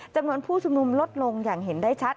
จำนวนผู้ชุมนุมลดลงอย่างเห็นได้ชัด